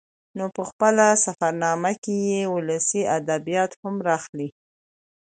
نو په خپله سفر نامه کې يې ولسي ادبيات هم راخلي